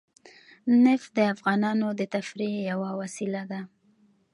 نفت د افغانانو د تفریح یوه وسیله ده.